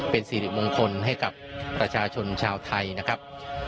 เป็นสิริมงคลให้กับประชาชนชาวไทยนะครับ